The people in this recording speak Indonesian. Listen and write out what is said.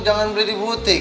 jangan beli di butik